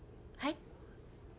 はい？